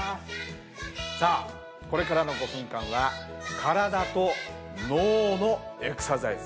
さあこれからの５分間は体と脳のエクササイズ。